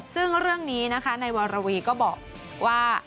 ซึ่งเรื่องนี้นะคะนายวรวีก็บอกว่า